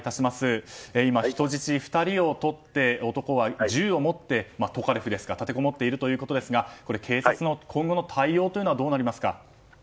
今、人質２人をとって、男は銃を持って立てこもっているということですが警察の今後の対応はどうなりますか。